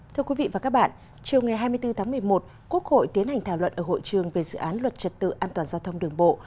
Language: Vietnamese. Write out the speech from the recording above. thưa quý vị và các bạn chiều ngày hai mươi bốn tháng một mươi một quốc hội tiến hành thảo luận ở hội trường về dự án luật trật tự an toàn giao thông đường bộ